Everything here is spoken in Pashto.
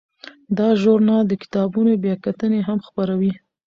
دا ژورنال د کتابونو بیاکتنې هم خپروي.